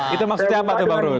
itu maksudnya apa tuh bang rus